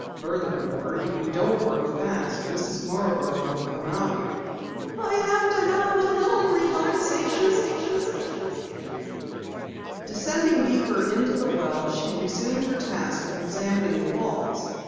"Furthermore, if you don't work fast, Mrs. Marborough will come out here!" "I have to have a little relaxation," Penny grumbled. Descending deeper into the well, she resumed her task of examining the walls.